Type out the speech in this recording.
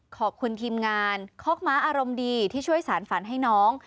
ขอบคุณทีมงานคอกม้าอารมณ์ดีที่ช่วยสารฝันให้น้อง